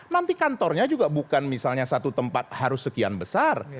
nanti kantornya juga bukan misalnya satu tempat harus sekian besar